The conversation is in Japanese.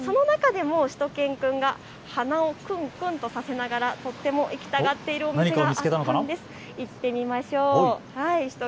その中でもしゅと犬くんが鼻をクンクンとさせながら、とっても行きたがっているお店があるんです。